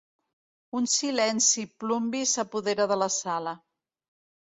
Un silenci plumbi s'apodera de la sala.